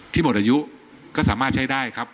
หมดอายุก็สามารถใช้ได้ครับ